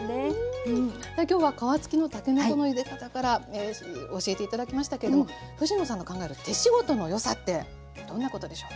今日は皮つきのたけのこのゆで方から教えて頂きましたけども藤野さんが考える手仕事のよさってどんなことでしょう。